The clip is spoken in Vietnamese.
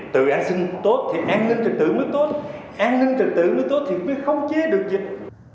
từ an sinh tốt thì an ninh trình tự mới tốt an ninh trình tự mới tốt thì mới không chê được dịch